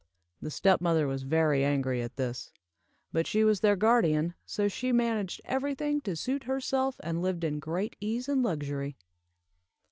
The step mother was very angry at this, but she was their guardian, so she managed every thing to suit herself, and lived in great ease and luxury.